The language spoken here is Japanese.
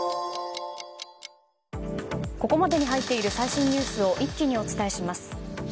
ここまでに入っている最新ニュースを一気にお伝えします。